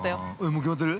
◆もう決まってる？